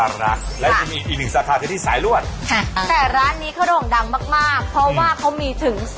อยากรู้สิครับไปนั่งคุยก่อนไหมคะไปจ้าไป